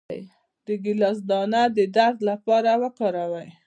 د ګیلاس دانه د درد لپاره وکاروئ